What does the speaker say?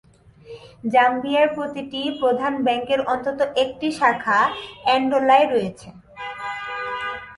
জাম্বিয়ার প্রতিটি প্রধান ব্যাংকের অন্তত একটি শাখা এনডোলায় রয়েছে।